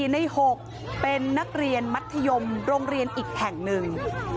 ใน๖เป็นนักเรียนมัธยมโรงเรียนอีกแห่งหนึ่ง